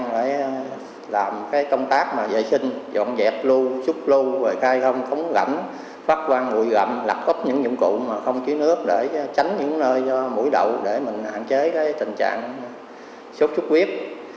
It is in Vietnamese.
chúng tôi sẽ làm công tác vệ sinh dọn dẹp lưu xúc lưu khai không khống gẩm phát văn ngụy gẩm lặt úp những dụng cụ không chứa nước để tránh những nơi mũi đậu để hạn chế tình trạng sốt sốt huyết